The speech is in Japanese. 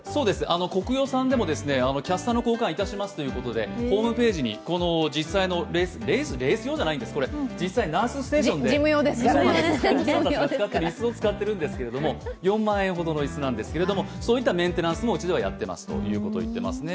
コクヨさんでもキャスターの交換いたしますということでホームページに実際のレースレース用じゃないんです、これ、実際、ナースステーションでナースの方たちが使ってる４万円ほどの椅子なんですけれどもそういったメンテナンスもうちではやっていますということでした。